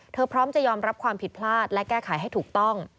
พร้อมจะยอมรับความผิดพลาดและแก้ไขให้ถูกต้อง